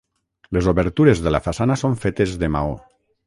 Les obertures de la façana són fetes de maó.